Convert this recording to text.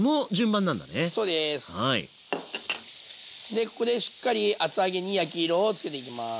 でここでしっかり厚揚げに焼き色をつけていきます。